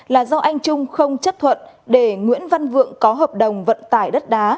là do anh trung không chấp thuận để nguyễn văn vượng có hợp đồng vận tải đất đá